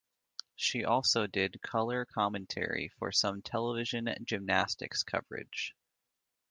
She also did color commentary for some television gymnastics coverage.